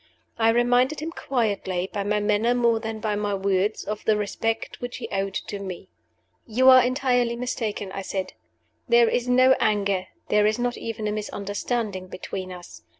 I reminded him quietly, by my manner more than by my words, of the respect which he owed to me. "You are entirely mistaken," I said. "There is no anger there is not even a misunderstanding between us.